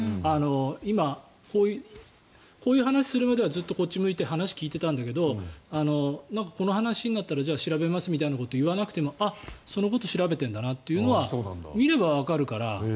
今、こういう話をするまではずっとこっちを向いて話を聞いていたんだけどこの話になったらじゃあ調べますってことを言わなくてもあっ、そのこと調べてるんだなというのは見ればわかるから。